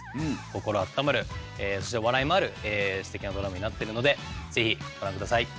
心あったまるそして笑いもあるステキなドラマになってるので是非ご覧下さい。